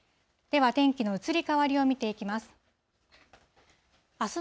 では、天気の移り変わりを見ていきます。